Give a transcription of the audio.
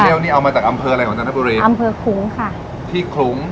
นี่เอามาจากอำเภออะไรของจันทบุรีอำเภอขลุงค่ะที่ขลุง